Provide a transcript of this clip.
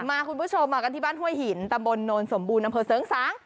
มาคุณผู้ชมมากันที่บ้านห้วยหินตำบลโนนสมบูรณ์อำเภอเสริงสาง